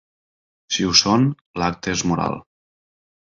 Si ho són, l’acte és moral.